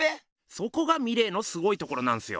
そこがミレーのすごいところなんすよ。